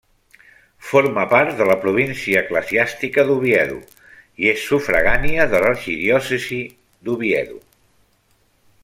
Forma part de la província eclesiàstica d'Oviedo, i és sufragània de l'arxidiòcesi d'Oviedo.